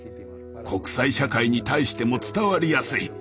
国際社会に対しても伝わりやすい。